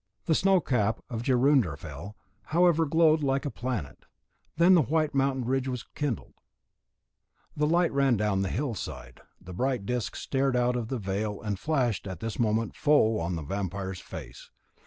The snow cap of Jorundarfell, however, glowed like a planet, then the white mountain ridge was kindled, the light ran down the hillside, the bright disk stared out of the veil and flashed at this moment full on the vampire's face.